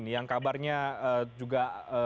yang kabarnya juga